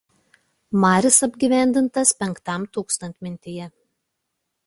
Maris apgyvendintas V tūkst.